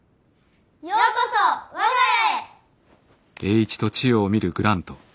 ようこそ我が家へ！